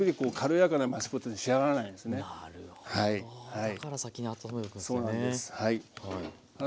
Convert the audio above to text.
だから先に温めておくんですね。